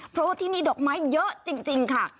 เพราะว่าที่นี่ดอกไม้เยอะจริงค่ะ